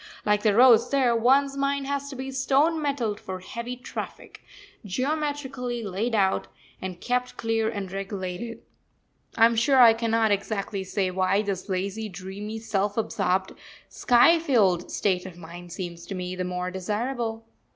Like the roads there, one's mind has to be stone metalled for heavy traffic geometrically laid out, and kept clear and regulated. I am sure I cannot exactly say why this lazy, dreamy, self absorbed, sky filled state of mind seems to me the more desirable.